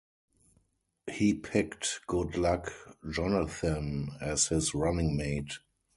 He picked Goodluck Jonathan as his running mate.